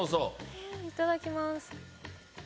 いただきます。